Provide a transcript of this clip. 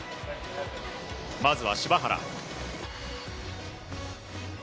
まずは柴原。